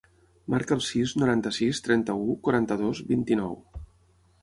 Marca el sis, noranta-sis, trenta-u, quaranta-dos, vint-i-nou.